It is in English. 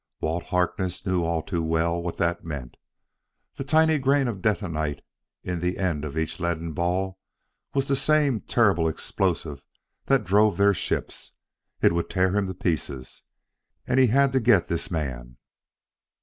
Walt Harkness knew all too well what that meant. The tiny grain of detonite in the end of each leaden ball was the same terrible explosive that drove their ships: it would tear him to pieces. And he had to get this man.